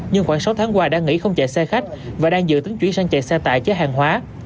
nhưng khoảng sáu tháng qua đã nghỉ không chạy xe khách và đang dự tính chuyển sang chạy xe tải chở hàng hóa